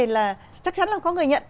vấn đề là chắc chắn là có người nhận